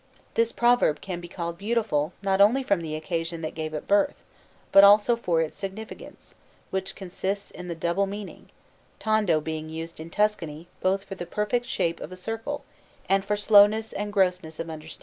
This proverb can be called beautiful not only from the occasion that gave it birth, but also for its significance, which consists in the double meaning; tondo being used, in Tuscany, both for the perfect shape of a circle and for slowness and grossness of understanding.